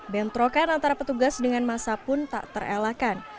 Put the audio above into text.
bentrokan antara petugas dengan masa pun tak terelakkan